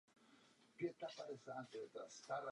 Styk s jinými psy může vyvolat konflikty.